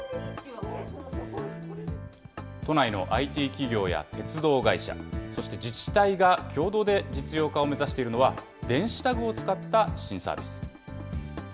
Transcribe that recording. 都内のＩＴ企業や鉄道会社、そして自治体が共同で実用化を目指しているのは、電子タグを使った新サービス。